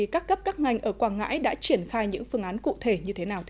các cấp các ngành ở quảng ngãi đã triển khai những phương án cụ thể như thế nào